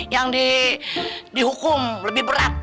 yang dihukum lebih berat